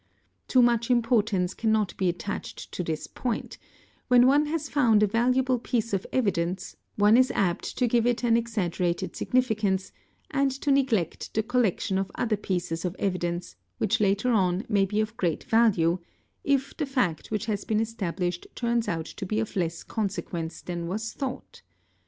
Too much importance eannot be attached to this point; when one has found a valuable piece of evidence one is apt to give it an exaggerated significance and to neglect the collection of other pieces of evidence which later on may be of great value, if the fact which has been established turns out to be of less consequence than was thought.